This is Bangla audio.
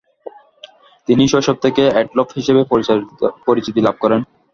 তিনি শৈশব থেকেই অ্যাডলফ হিসেবেই পরিচিতি লাভ করেন।